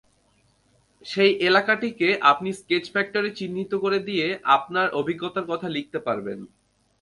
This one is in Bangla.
সেই এলাকাটিকে আপনি স্কেচফ্যাক্টরে চিহ্নিত করে দিয়ে আপনার অভিজ্ঞতার কথা লিখতে পারবেন।